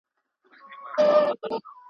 محتسب مو پر منبر باندي امام سو ,